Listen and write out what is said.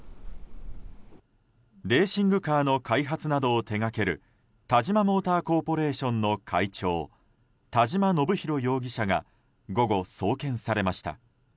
レーシングカーの開発などを手掛けるタジマモーターコーポレーションの会長田嶋伸博容疑者が午後送検されました。